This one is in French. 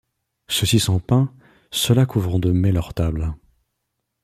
Ceux-ci sans pain, ceux-là couvrant de mets leurs tables